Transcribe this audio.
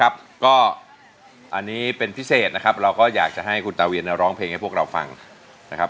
แล้วก็ครับอันนี้เป็นพิเศษนะครับเราก็อยากให้คุณตีวีรรภ์นะร้องเพลงให้พวกเราฟังนะครับ